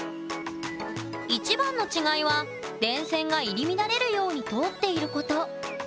一番の違いは電線が入り乱れるように通っていること。